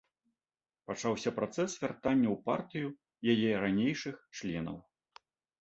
Пачаўся працэс вяртання ў партыю яе ранейшых членаў.